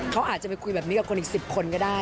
เขาอาจจะไปคุยแบบนี้กับคนอีก๑๐คนก็ได้